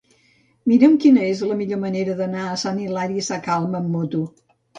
Mira'm quina és la millor manera d'anar a Sant Hilari Sacalm amb moto.